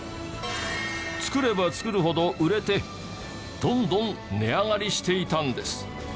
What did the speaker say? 造れば造るほど売れてどんどん値上がりしていたんです。